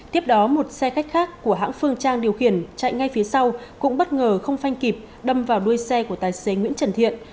tiếp đó một xe khách khác của hãng phương trang điều khiển chạy ngay phía sau cũng bất ngờ không phanh kịp đâm vào đuôi xe của tài xế nguyễn trần thiện